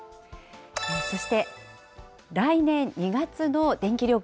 そして、来年２月の電気料金。